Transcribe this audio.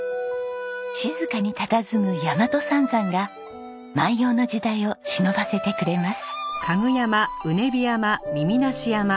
静かにたたずむ大和三山が万葉の時代をしのばせてくれます。